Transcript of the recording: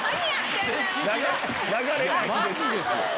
マジですよ。